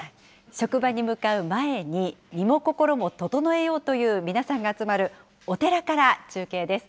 職場に向かう前に、身も心も整えようという皆さんが集まるお寺から中継です。